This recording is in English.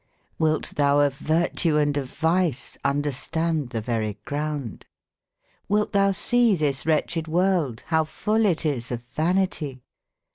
iHilt tbou of vertue and of vice, under stande tbe very grounde ? Clilt tbou see tbis wretcbed world, bow ful it is of van i tie?